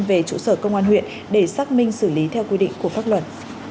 về chủ sở công an huyện để xác minh xử lý theo quy định của pháp luận